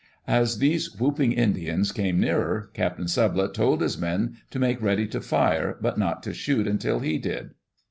As these whooping Indians came nearer, Captain Sub lette told his men to make ready to fire, but not to shoot until he did.